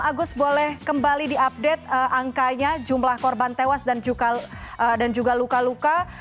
agus boleh kembali diupdate angkanya jumlah korban tewas dan juga luka luka